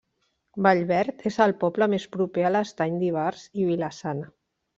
Vallverd és el poble més proper a l'Estany d'Ivars i Vila-sana.